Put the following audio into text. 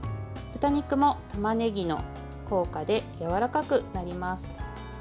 豚肉も、たまねぎの効果でやわらかくなります。